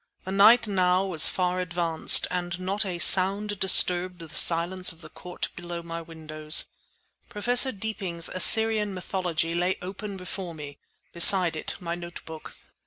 The night now was far advanced, and not a sound disturbed the silence of the court below my windows. Professor Deeping's "Assyrian Mythology" lay open before me, beside it my notebook.